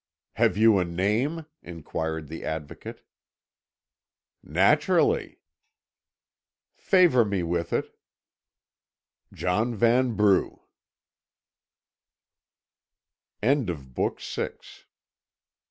"Have you a name?" inquired the Advocate. "Naturally." "Favour me with it." "John Vanbrugh." _BOOK VII.